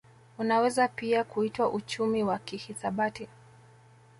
Unaweza pia kuitwa uchumi wa kihisabati